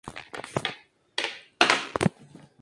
Estas arrugas son muy importantes y caracterizan la raza.